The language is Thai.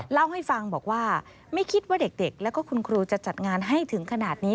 เล่าให้ฟังบอกว่าไม่คิดว่าเด็กแล้วก็คุณครูจะจัดงานให้ถึงขนาดนี้